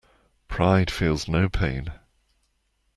Pride feels no pain.